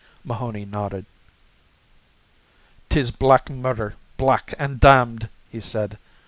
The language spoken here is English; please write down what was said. Mahoney nodded. "'Tis black murder, black an' damned," he said.